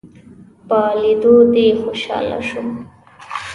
په ليدو دې خوشحاله شوم